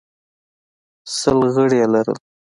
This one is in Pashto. سل غړي یې لرل